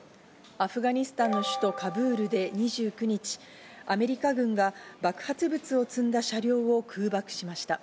アフガニスタンの首都・カブールで２９日、アメリカ軍が爆発物を積んだ車両を空爆しました。